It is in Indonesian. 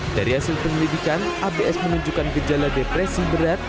dari hasil penyelidikan abs menunjukkan gejala depresi berat